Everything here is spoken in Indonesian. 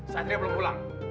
satria belum pulang